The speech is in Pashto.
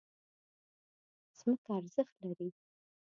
ځمکه ارزښت لري.